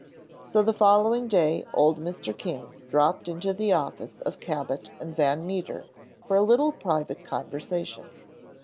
So the following day old Mr. King dropped into the office of Cabot and Van Meter, for a little private conversation.